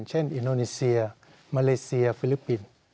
อินโดนีเซียมาเลเซียฟิลิปปินส์